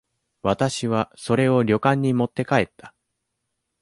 私は、それを旅館に持って帰った。